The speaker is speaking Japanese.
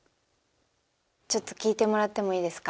ちょっと聞いてもらってもいいですか？